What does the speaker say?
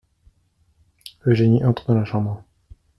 Eugénie entre dans la chambre.